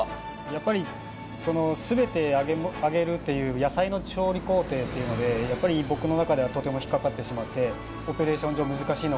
やっぱりその全て揚げるという野菜の調理工程っていうのでやっぱり僕の中ではとても引っかかってしまってまあ